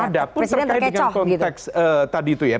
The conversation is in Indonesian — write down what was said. ada pun terkait dengan konteks tadi itu ya